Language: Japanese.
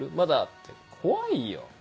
って怖いよ！